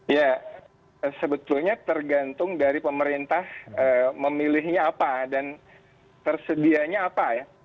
ya sebetulnya tergantung dari pemerintah memilihnya apa dan tersedianya apa ya